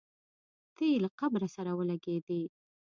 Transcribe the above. تی یې له قبر سره ولګېدی.